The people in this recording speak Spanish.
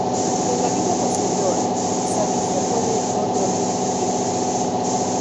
En la vida posterior, Savige fue director de Olympic Tire.